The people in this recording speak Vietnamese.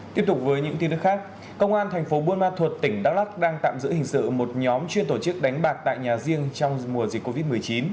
tiếp tục với những tin tức khác công an thành phố buôn ma thuột tỉnh đắk lắc đang tạm giữ hình sự một nhóm chuyên tổ chức đánh bạc tại nhà riêng trong mùa dịch covid một mươi chín